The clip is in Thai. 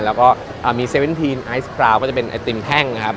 แล้วก็เอ่อมีเซเว็นทีนไอศกราวก็จะเป็นไอศกรีมแห้งนะครับ